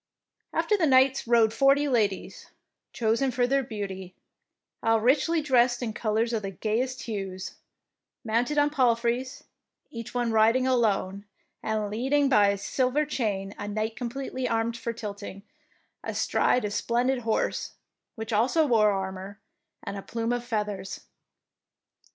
After the knights rode forty ladies, chosen for their beauty, all richly dressed in colours of the gayest hues, mounted on palfreys, each one riding alone, and leading by a silver chain a knight completely armed for tilting, 71 DEEDS OF DARING astride a splendid horse, which also wore armour, and a plume of feathers.